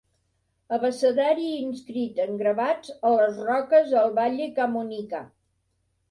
Abecedari inscrit en gravats a les roques al Valle Camonica.